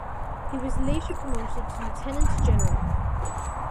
He was later promoted to Lieutenant General.